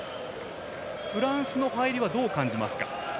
フランスの入りはどう感じますか？